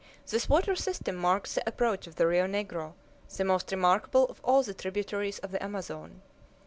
This water system marks the approach of the Rio Negro, the most remarkable of all the tributaries of the Amazon.